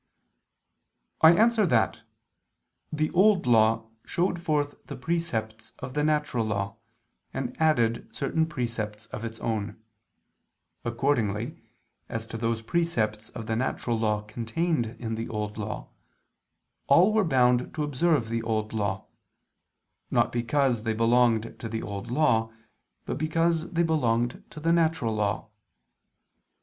I answer that, The Old Law showed forth the precepts of the natural law, and added certain precepts of its own. Accordingly, as to those precepts of the natural law contained in the Old Law, all were bound to observe the Old Law; not because they belonged to the Old Law, but because they belonged to the natural law.